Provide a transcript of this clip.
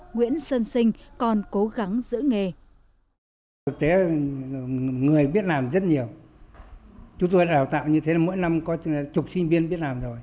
nguyễn sơn sinh còn cố gắng giữ nghề